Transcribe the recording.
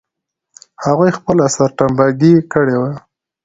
هغوی خپله سرټمبه ګي کړې وه.